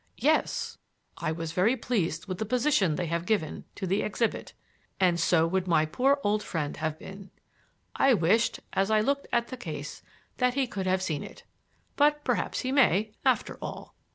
"Yes. I was very pleased with the position they have given to the exhibit, and so would my poor old friend have been. I wished, as I looked at the case, that he could have seen it. But perhaps he may, after all."